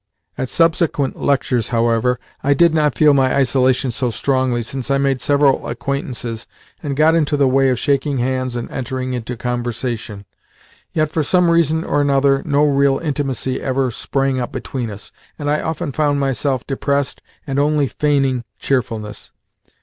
At subsequent lectures, however, I did not feel my isolation so strongly, since I made several acquaintances and got into the way of shaking hands and entering into conversation. Yet for some reason or another no real intimacy ever sprang up between us, and I often found myself depressed and only feigning cheerfulness.